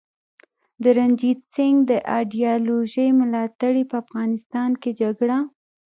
د رنجیت سینګ د ایډیالوژۍ ملاتړي په افغانستان کي جګړه